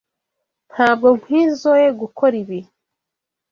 Ntabwo nkwizoe gukora ibi.